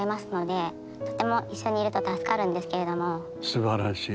すばらしい。